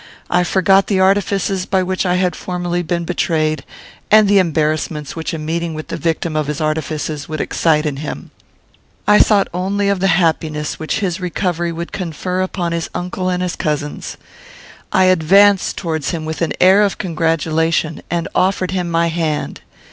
I forgot the artifices by which I had formerly been betrayed, and the embarrassments which a meeting with the victim of his artifices would excite in him; I thought only of the happiness which his recovery would confer upon his uncle and his cousins. I advanced towards him with an air of congratulation, and offered him my hand.